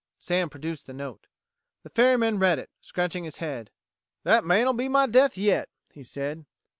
Sam produced the note. The ferryman read it, scratching his head. "That man'll be my death yet," he said.